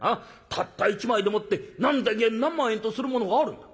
たった１枚でもって何千円何万円とするものがあるんだ」。